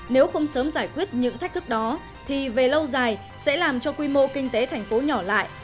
nếu không sớm giải quyết những thách thức đó thì về lâu dài sẽ làm cho quy mô kinh tế thành phố nhỏ lại